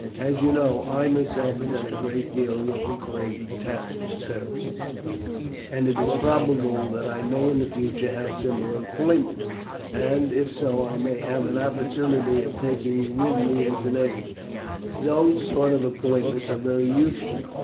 As you know, I myself have done a great deal of what we call detached service, and it is probable that I may in the future have similar appointments, and, if so, I may have an opportunity of taking you with me as an aide. Those sort of appointments are very useful.